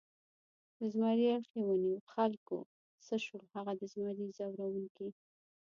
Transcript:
د زمري اړخ یې ونیو، آ خلکو څه شول هغه د زمري ځوروونکي؟